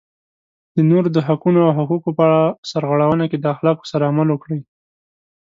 د نورو د حقونو او حقوقو په سرغړونه کې د اخلاقو سره عمل وکړئ.